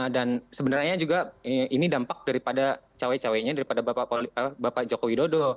dan sebenarnya juga ini dampak daripada cowek coweknya daripada bapak jokowi dodo